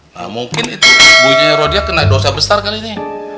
nah mungkin itu bunyinya rodia kena dosa besar kali ini